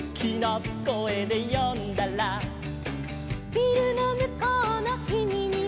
「ビルのむこうのキミにも」